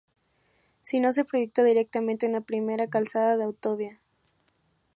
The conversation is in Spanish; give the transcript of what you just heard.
Si no, se proyecta directamente una primera calzada de autovía.